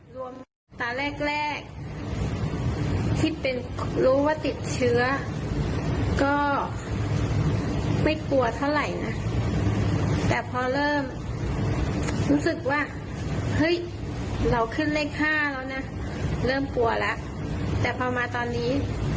รู้สึกว่าเฮ้ยเราขึ้นเลข๕แล้วนะเริ่มกลัวแล้วแต่พอมาตอนนี้